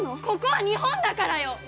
ここは日本だからよ！